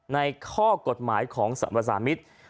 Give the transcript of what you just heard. ในข้อกฎหมายของสรรพสามิตร